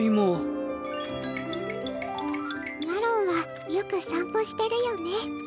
マロンはよく散歩してるよね。